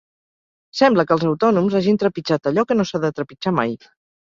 Sembla que els autònoms hagin trepitjat allò que no s’ha de trepitjar mai.